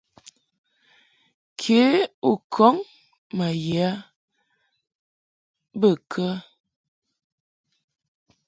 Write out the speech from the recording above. Ke u kɔŋ ma ye bə kə ?